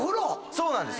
そうなんです。